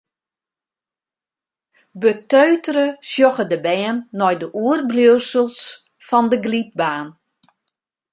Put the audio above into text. Beteutere sjogge de bern nei de oerbliuwsels fan de glydbaan.